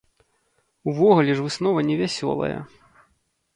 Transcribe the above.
Увогуле ж выснова невясёлая.